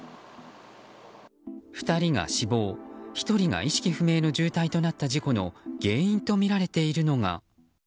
２人が死亡１人が意識不明の重体となった事故の原因とみられているのが。